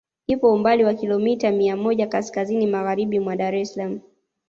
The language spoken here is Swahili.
Ipo umbali wa Kilomita mia moja kaskazini Magharibi mwa Dar es Salaam